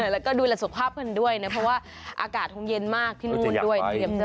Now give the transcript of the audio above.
แล้วก็ดูแลสุขภาพกันด้วยนะเพราะว่าอากาศคงเย็นมากที่นู่นด้วย